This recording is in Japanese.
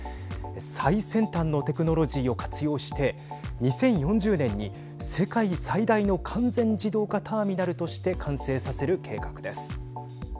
最先端のテクノロジーを活用して２０４０年に世界最大の完全自動化ターミナルとして完成させる計画です。